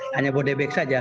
hanya bodebek saja